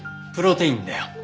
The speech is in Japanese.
プロテインだよ。